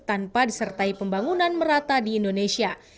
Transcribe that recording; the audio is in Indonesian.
tanpa disertai pembangunan merata di indonesia